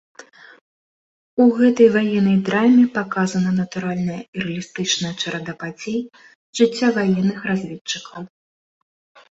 У гэтай ваеннай драме паказана натуральная рэалістычная чарада падзей з жыцця ваенных разведчыкаў.